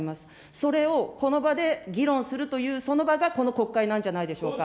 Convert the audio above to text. それをこの場で議論するという、その場がこの国会なんじゃないでしょうか。